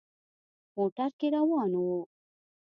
موټر کې روان وو.